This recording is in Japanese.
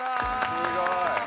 すごい！